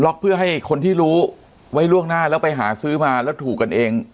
เพื่อให้คนที่รู้ไว้ล่วงหน้าแล้วไปหาซื้อมาแล้วถูกกันเอง